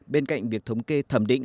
bên cạnh việc thống kê thẩm định